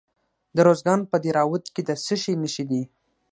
د ارزګان په دهراوود کې د څه شي نښې دي؟